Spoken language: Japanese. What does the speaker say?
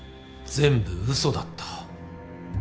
全部嘘だった。